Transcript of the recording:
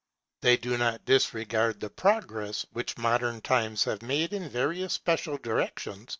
They do not disregard the progress which modern times have made in various special directions.